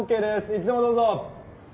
いつでもどうぞ。